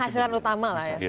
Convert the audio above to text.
penghasilan utama lah ya